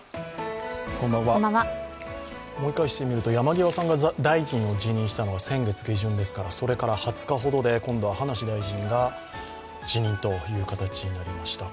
思い返してみると山際さんが大臣を辞任したのは先月下旬ですから、それから２０日ほどで今度は葉梨大臣が辞任という形になりました。